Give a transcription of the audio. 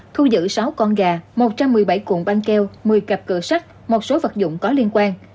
thu giữ sáu con gà một trăm một mươi bảy cuộn băng keo một mươi cặp cửa sắt một số vật dụng có liên quan